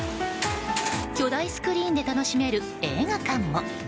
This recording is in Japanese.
巨大スクリーンで楽しめる映画館も。